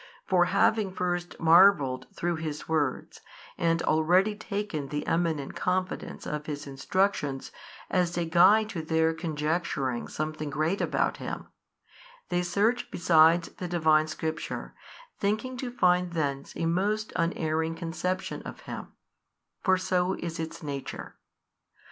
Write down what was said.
For having first marvelled through His Words, and already taken the eminent confidence of His instructions as a guide to their conjecturing something great about Him, they search besides the Divine Scripture, thinking to find thence a most unerring conception of Him: for so is its nature.